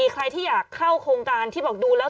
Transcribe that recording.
ใครที่อยากเข้าโครงการที่บอกดูแล้ว